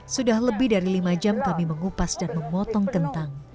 sudah lebih dari lima jam kami mengupas dan memotong kentang